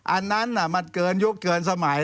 อันนั้นมันเกินยุคเกินสมัย